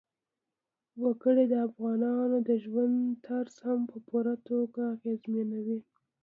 وګړي د افغانانو د ژوند طرز هم په پوره توګه اغېزمنوي.